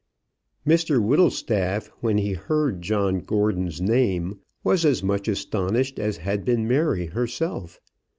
Mr Whittlestaff, when he heard John Gordon's name, was as much astonished as had been Mary herself.